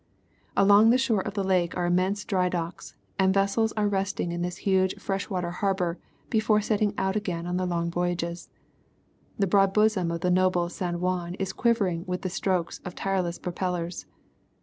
"Along the shore of the lake are immense dry docks, and vessels are resting in this huge fresh water harbor before setting out again on their long voyages. The broad bosom of the noble San Juaii is quivering with the strokes of tireless propellors.